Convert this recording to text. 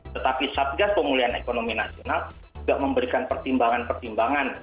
tetapi satgas pemulihan ekonomi nasional juga memberikan pertimbangan pertimbangan